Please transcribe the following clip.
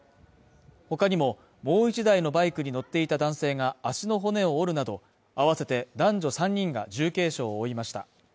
他にももう１台のバイクに乗っていた男性が足の骨を折るなど合わせて男女３人が重軽傷を負いました。